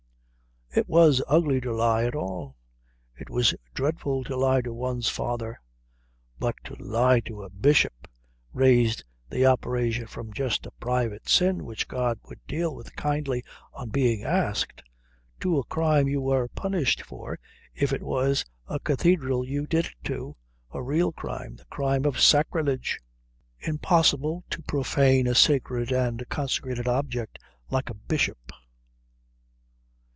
It was ugly to lie at all. It was dreadful to lie to one's father. But to lie to a bishop raised the operation from just a private sin which God would deal with kindly on being asked, to a crime you were punished for if it was a cathedral you did it to, a real crime, the crime of sacrilege. Impossible to profane a sacred and consecrated object like a bishop.